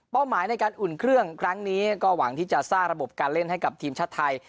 หมายในการอุ่นเครื่องครั้งนี้ก็หวังที่จะสร้างระบบการเล่นให้กับทีมชาติไทย